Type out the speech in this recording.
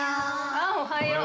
あっおはよう。